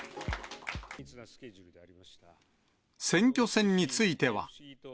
選挙戦については。